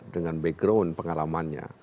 dengan background pengalamannya